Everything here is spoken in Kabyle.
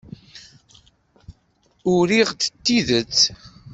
Urid d tidet.